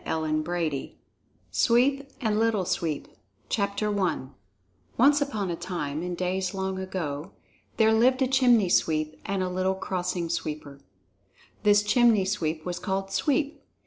CHAPTER VII SWEEP AND LITTLE SWEEP I Once upon a time, in days long ago, there lived a Chimney Sweep and a little Crossing Sweeper. This Chimney Sweep was called "Sweep."